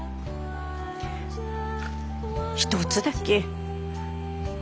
一つだけ。